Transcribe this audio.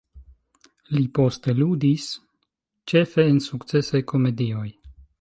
Li poste ludis ĉefe en sukcesaj komedioj.